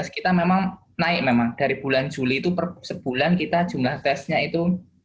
kita memang naik memang dari bulan juli itu per sebulan kita jumlah tesnya itu